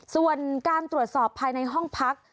ส่วนการตรวจสอบภายในห้องพัก